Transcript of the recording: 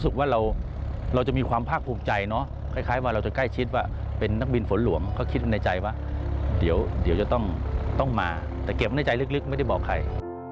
แต่เก็บไว้ในใจลึกไม่ได้บอกใคร